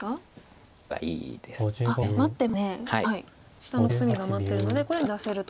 下のコスミが待ってるのでこれは逃げ出せると。